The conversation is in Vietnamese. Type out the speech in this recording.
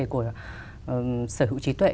của sở hữu trí tuệ